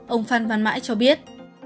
ông phan văn mãi cho biết